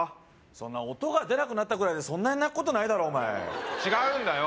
そんな音が出なくなったぐらいでそんなに泣くことないだろお前違うんだよ